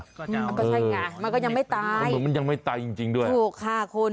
มันก็ใช่ไงมันก็ยังไม่ตายมันเหมือนมันยังไม่ตายจริงจริงด้วยถูกค่ะคุณ